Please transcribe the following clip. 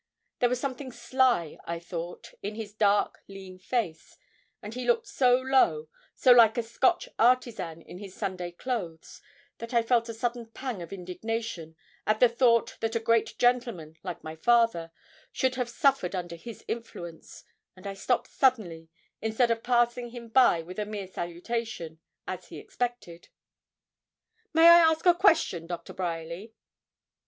There was something sly, I thought, in his dark, lean face; and he looked so low, so like a Scotch artisan in his Sunday clothes, that I felt a sudden pang of indignation, at the thought that a great gentleman, like my father, should have suffered under his influence, and I stopped suddenly, instead of passing him by with a mere salutation, as he expected, 'May I ask a question, Doctor Bryerly?'